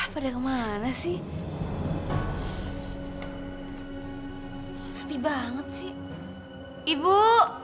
pada kemana sih